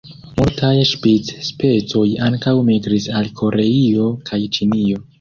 Multaj ŝpic-specoj ankaŭ migris al Koreio kaj Ĉinio.